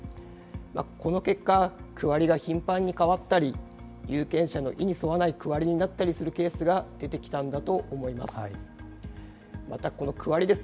この結果、区割りが頻繁に変わったり、有権者の意に沿わない区割りになったりするケースが出てきたんだと思います。